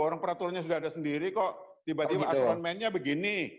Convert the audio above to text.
orang peraturannya sudah ada sendiri kok tiba tiba aturan mainnya begini